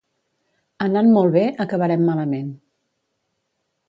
Anant molt bé, acabarem malament